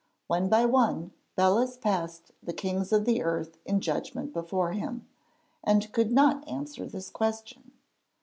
One by one Belus passed the kings of the earth in judgment before him, and could not answer this question.